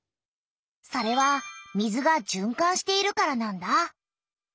それは水がじゅんかんしているからなんだ。